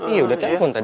iya udah telfon tadi